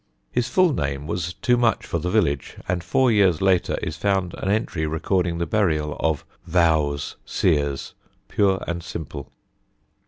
His full name was too much for the village, and four years later is found an entry recording the burial of "Vowes Seers" pure and simple.